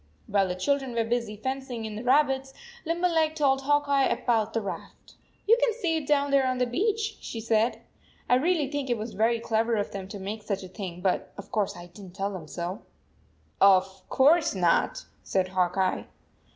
While the children were busy fencing in the rabbits, Limberleg told Hawk Eye about the raft. " You can see it down thereon the beach," she said. " I really think it was very clever of them to make such a thing, but of course I didn t tell them so/ " Of course not," said Hawk Eye.